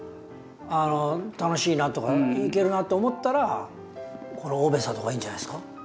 あの楽しいなとかいけるなと思ったらこのオベサとかいいんじゃないですか？